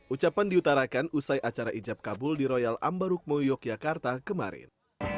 ucapan diutarakan usai acara ijab kabul di royal ambarukmo yogyakarta kemarin